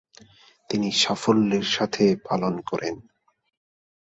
তিনি সাফল্যের সাথে পালন করেন।